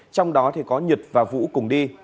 trong đó thì có nhật và vũ cùng đi